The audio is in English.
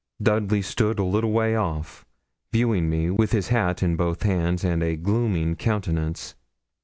Dudley stood a little way off, viewing me, with his hat in both hands and a 'glooming' countenance.